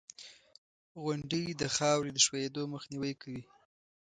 • غونډۍ د خاورې د ښویېدو مخنیوی کوي.